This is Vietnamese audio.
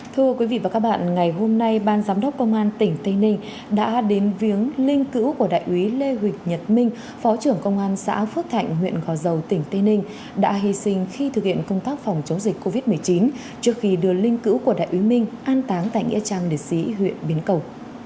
thưa quý vị và các bạn ngày hôm nay ban giám đốc công an tỉnh tây ninh đã đến viếng linh cữu của đại úy lê huy nhật minh phó trưởng công an xã phước thạnh huyện gò dầu tỉnh tây ninh đã hy sinh khi thực hiện công tác phòng chống dịch covid một mươi chín trước khi đưa linh cữu của đại úy minh an táng tại nghĩa trang liệt sĩ huyện biến cầu